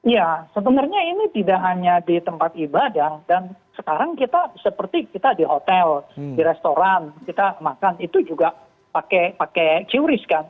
ya sebenarnya ini tidak hanya di tempat ibadah dan sekarang kita seperti kita di hotel di restoran kita makan itu juga pakai qris kan